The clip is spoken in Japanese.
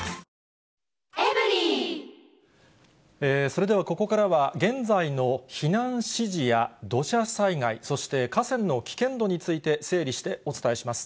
それでは、ここからは現在の避難指示や土砂災害、そして、河川の危険度について整理してお伝えします。